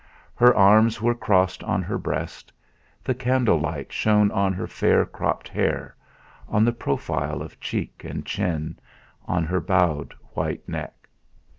Her arms were crossed on her breast; the candle light shone on her fair cropped hair, on the profile of cheek and chin, on her bowed white neck.